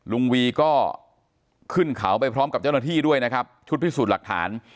วีก็ขึ้นเขาไปพร้อมกับเจ้าหน้าที่ด้วยนะครับชุดพิสูจน์หลักฐาน